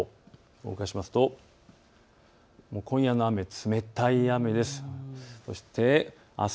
動かしますと今夜の雨、冷たい雨です。